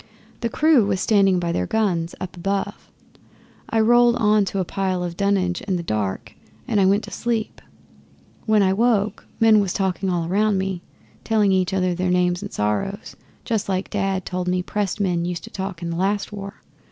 The crew was standing by their guns up above. I rolled on to a pile of dunnage in the dark and I went to sleep. When I woke, men was talking all round me, telling each other their names and sorrows just like Dad told me pressed men used to talk in the last war.